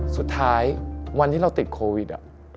สุดท้ายวันที่เราติดโควิด